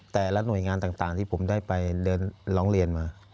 แต่ละหน่วยงานต่างที่ผมได้ไปเดินร้องเรียนมา